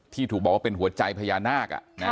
ที่ถูกบอกว่าเป็นหัวใจพญานาค